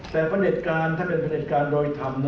แต่ประเด็ดการถ้าเป็นประเด็ดการโดยธรรมนั้นสมควรครับ